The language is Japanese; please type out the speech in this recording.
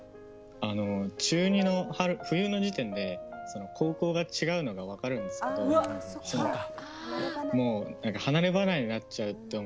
中２の冬の時点で高校が違うのが分かるんですけどもう離れ離れになっちゃうと思って。